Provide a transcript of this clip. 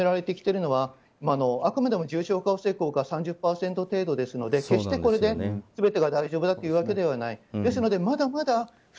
経口薬でも今は認められてきているのはあくまで重症化を防ぐ効果３０％程度ですので決してこれで全てが大丈夫だというわけではない。